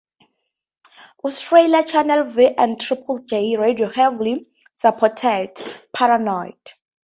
Australia's Channel V and Triple-J radio heavily supported "...Paranoid".